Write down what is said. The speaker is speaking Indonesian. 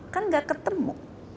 kan gak ketemu